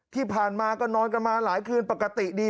ที่ผ่านมาก็นอนกันมาหลายคืนปกติดี